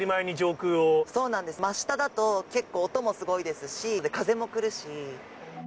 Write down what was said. そうなんです、真下だと、結構、音もすごいですし、風も来るし。